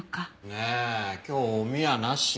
ねえ今日おみやなし？